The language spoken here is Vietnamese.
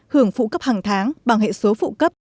hưởng phụ cấp hàng tháng bằng hệ số phụ cấp